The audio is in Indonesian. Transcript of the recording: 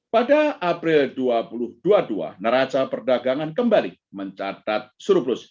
pada april dua ribu dua puluh dua neraca perdagangan kembali mencatat surplus